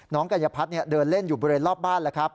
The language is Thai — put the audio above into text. น้องกัญญาพัฒน์เดินเล่นอยู่บริเวณรอบบ้านนะครับ